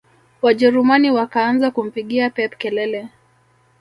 wajerumani wakaanza kumpigia pep kelele